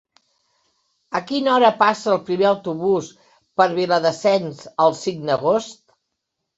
A quina hora passa el primer autobús per Viladasens el cinc d'agost?